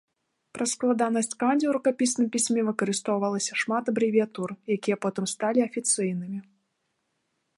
Праз складанасць кандзі ў рукапісным пісьме выкарыстоўвалася шмат абрэвіятур, якія потым сталі афіцыйнымі.